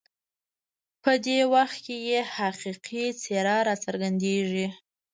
په دې وخت کې یې حقیقي څېره راڅرګندېږي.